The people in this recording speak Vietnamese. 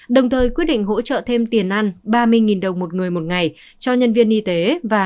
đồng thời quyết định hỗ trợ thêm tiền ăn ba mươi đồng một người một ngày cho nhân viên y tế và